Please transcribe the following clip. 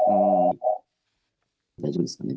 大丈夫ですかね？